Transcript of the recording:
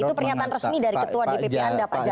itu pernyataan resmi dari ketua dpp anda pak jaro